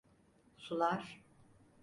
Sular…